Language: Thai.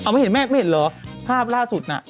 ไม่เห็นแม่ไม่เห็นเหรอภาพล่าสุดน่ะ